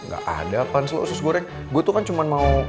gak ada apaan sih lo usus goreng gue tuh kan cuma mau